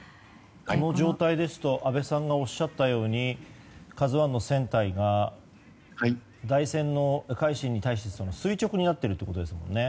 この状態ですと安倍さんがおっしゃったように「ＫＡＺＵ１」の船体が「海進」に対して垂直になっているということですね。